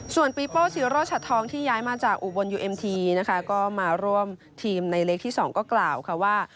ส่วนปีโป้ศิโรชัดทองที่ย้ายมาจากอุบลยูเอ็มทีนะคะก็มาร่วมทีมในเล็กที่๒ก็กล่าวค่ะว่า